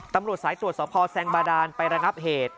ตำรวจสายตรวจสพแซงบาดานไประงับเหตุ